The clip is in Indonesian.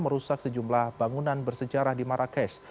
merusak sejumlah bangunan bersejarah di marrakesh